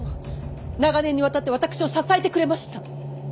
長年にわたって私を支えてくれました。